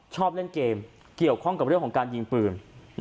ชอบเล่นเกมเกี่ยวข้องกับเรื่องของการยิงปืน